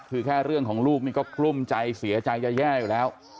คือแค่เรื่องของลูกนี่ก็กลุ้มใจเสียใจจะแย่อยู่แล้ว